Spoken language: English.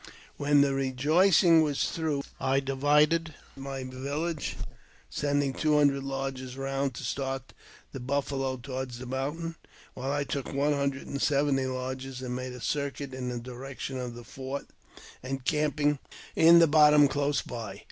When the rejoicing was through, I divided my village, send ing two hundred lodges round to start the buffalo toward the mountain, while I took one hundred and seventy lodges, and made a circuit in the direction of the fort, encamping in the bottom close by.